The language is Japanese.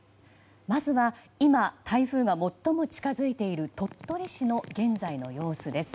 まずは今台風が最も近づいている鳥取市の現在の様子です。